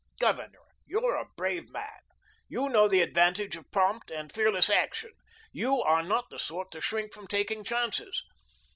Governor, you're a brave man. You know the advantage of prompt and fearless action. You are not the sort to shrink from taking chances.